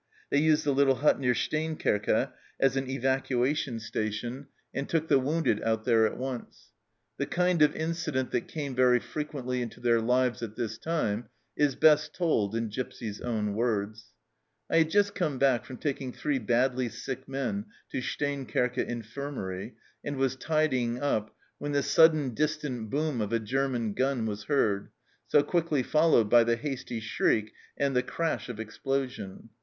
They used the little hut near Steenkerke as an evacuation station, ENTER ROMANCE 249 and took the wounded out there at once. The kind of incident that came very frequently into their lives at this time is best told in Gipsy's own words :" I had just come back from taking three badly sick men to Steenkerke Infirmary, and was tidying up, when the sudden distant boom of a German gun was heard, so quickly followed by the hasty shriek and the crash of explosion.